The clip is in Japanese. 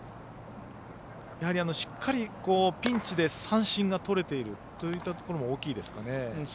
やはりしっかりピンチで三振がとれているというところが大きいですかね。